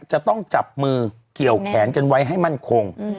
จะต้องจับมือเกี่ยวแขนกันไว้ให้มั่นคง